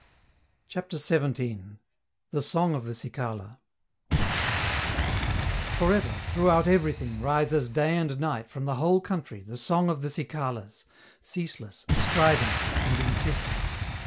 CHAPTER XVII. THE SONG OF THE CICALA Forever, throughout everything, rises day and night from the whole country the song of the cicalas, ceaseless, strident, and insistent.